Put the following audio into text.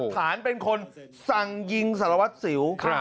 ถามเป็นคนสั่งยิงสารวัสดิ์สิว